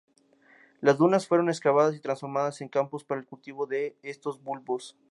Las dunas fueron excavadas y transformadas en campos para el cultivo de estos bulbos.